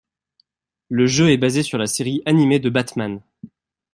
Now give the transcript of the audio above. Le jeu est basé sur la série animée de Batman.